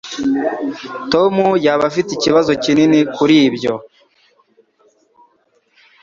Tom yaba afite ikibazo kinini kuri ibyo